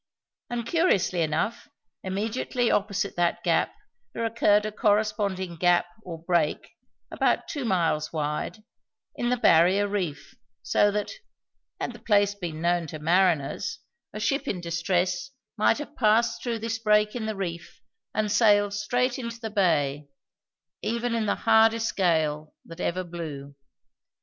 And, curiously enough, immediately opposite that gap there occurred a corresponding gap or break, about two miles wide, in the barrier reef, so that, had the place been known to mariners, a ship in distress might have passed through this break in the reef and sailed straight into the bay, even in the hardest gale that ever blew.